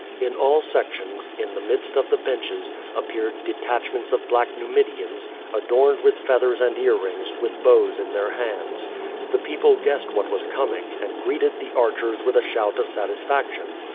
In all sec tions, in the midst of the benches, appeared detachments of black Numidians, adorned with feathers and earrings, with bows in their hands. The peoi)le guessed what was coming, and greeted the archers with a shout of satisfaction.